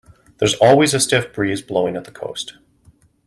There's always a stiff breeze blowing at the coast.